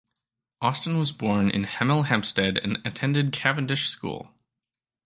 Austin was born in Hemel Hempstead and attended Cavendish School.